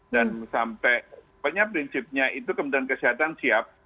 dan sampai pokoknya prinsipnya itu kemudian kesehatan siap